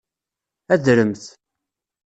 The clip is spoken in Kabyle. Adremt.